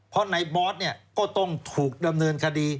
เพราะในบอสเนี่ยก็ต้องถูกดำเนินคดี